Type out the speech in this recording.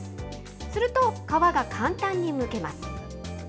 すると皮は簡単にむけます。